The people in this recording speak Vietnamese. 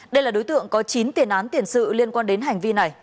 đây là đối tượng có chín tiền án tiền sự liên quan đến hành vi này